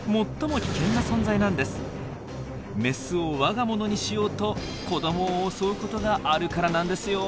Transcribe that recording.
メスを我が物にしようと子どもを襲うことがあるからなんですよ。